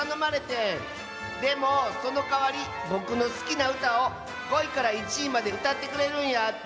でもそのかわりぼくのすきなうたを５いから１いまでうたってくれるんやて。